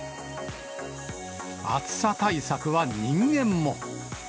暑さ対策は人間も。